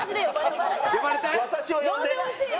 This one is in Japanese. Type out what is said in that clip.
呼んでほしい！